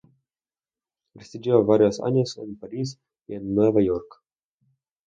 Residió varios años en París y en Nueva York.